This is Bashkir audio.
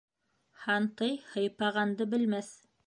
Һантый һыйпағанды белмәҫ.